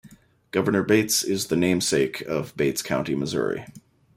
Governor Bates is the namesake of Bates County, Missouri.